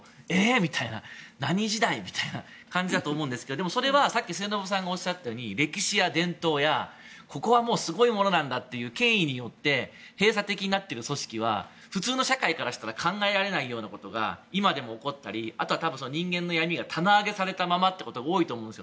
みたいな何時代？みたいな感じだと思いますがさっき末延さんがおっしゃったように歴史や伝統やここはすごいものなんだという権威によって閉鎖的になっている組織は普通の社会から考えられないことが今でも起きたりあと、人間の闇が棚上げされたままということが多いと思うんです。